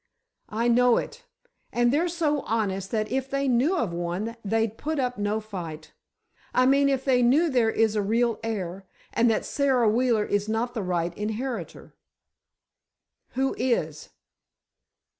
"I know it, and they're so honest that if they knew of one they'd put up no fight. I mean if they knew there is a real heir, and that Sara Wheeler is not the right inheritor." "Who is?"